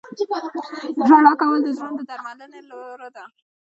• ژړا کول د زړونو د درملنې لاره ده.